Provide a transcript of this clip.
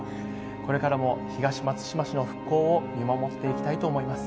これからも東松島市の復興を見守っていきたいと思います。